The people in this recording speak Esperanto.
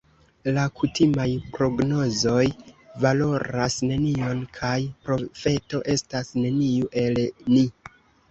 La kutimaj prognozoj valoras nenion, kaj profeto estas neniu el ni.